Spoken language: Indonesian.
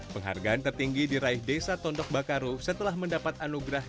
penghargaan tertinggi diraih desa tondok bakaru setelah mendapat anugerah